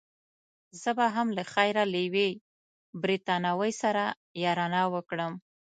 زه به هم له خیره له یوې بریتانوۍ سره یارانه وکړم.